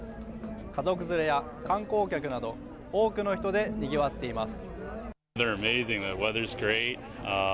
家族連れや観光客など多くの人でにぎわっています。